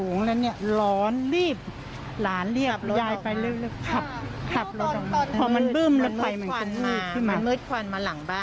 ใช่ค่ะมีห้องที่๒หลังที่๒จากริมคลองมา